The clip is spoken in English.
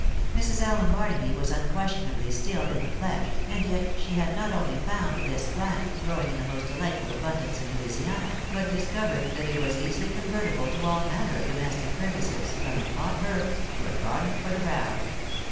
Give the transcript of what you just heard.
Mrs. Allen Barnaby was unquestionably still in the flesh, and yet she had not only found this " plant" growing in the most delightful abundance in Louisiana, but discovered that it was easily convertible to all manner of domestic purposes, from a pot herb to a garland for the brow.